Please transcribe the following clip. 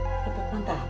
hai lupa pantat aja sih